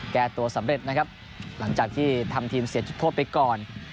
แก้ตัวสำเร็จนะครับหลังจากที่ทำทีมเสียจุดโทษไปก่อน